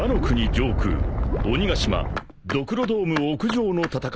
上空鬼ヶ島ドクロドーム屋上の戦い］